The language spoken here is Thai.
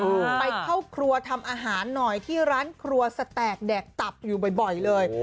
ไปเข้าครัวทำอาหารหน่อยที่ร้านครัวสแตกแดกตับอยู่บ่อยเลย